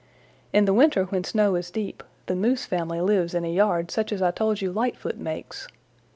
In the winter when snow is deep, the Moose family lives in a yard such as I told you Lightfoot makes.